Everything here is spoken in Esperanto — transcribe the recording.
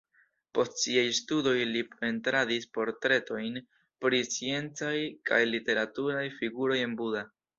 Post siaj studoj li pentradis portretojn pri sciencaj kaj literaturaj figuroj en Buda.